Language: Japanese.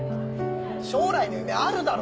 将来の夢あるだろ？